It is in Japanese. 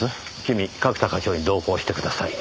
君角田課長に同行してください。